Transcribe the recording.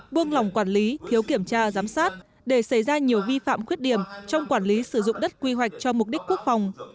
buông lỏng quản lý thiếu kiểm tra giám sát để xảy ra nhiều vi phạm khuyết điểm trong quản lý sử dụng đất quy hoạch cho mục đích quốc phòng